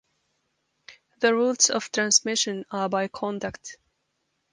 The routes of transmission are by contact.